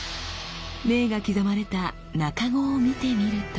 銘が刻まれた茎を見てみると。